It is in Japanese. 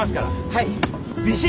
はい。